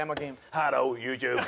ハローＹｏｕＴｕｂｅ！